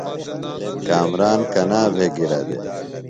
ݨ کامران کنا بھےۡ گِرہ دےۡ ؟